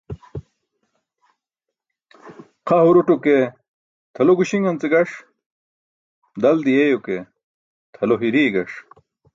Xa huruto ke tʰalo guśiṇance gaṣ, dal diyeyo ke tʰalo hiriye gaṣ.